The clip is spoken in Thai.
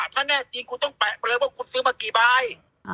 ถ้าแน่จริงคุณต้องแปะไปเลยว่าคุณซื้อมากี่ใบ